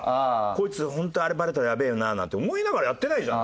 こいつホントはあれバレたらやべえななんて思いながらやってないじゃん。